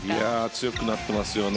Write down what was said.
強くなってますよね。